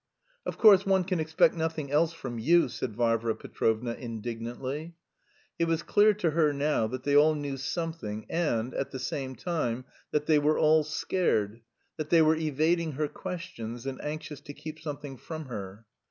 "Of course one can expect nothing else from you," said Varvara Petrovna indignantly. It was clear to her now that they all knew something and, at the same time, that they were all scared, that they were evading her questions, and anxious to keep something from her.